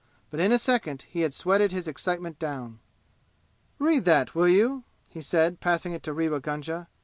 But in a second he had sweated his excitement down. "Read that, will you?" he said, passing it to Rewa Gunga.